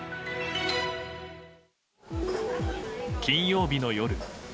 金曜日の夜。